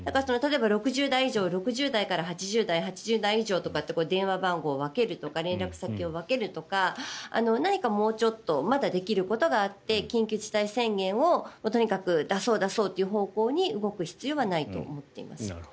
例えば６０代以上６０代から８０代８０代以上とかって電話番号を分けるとか連絡先を分けるとか何かもうちょっとまだできることがあって緊急事態宣言をとにかく出そう、出そうという方向に動く必要はないと思っています。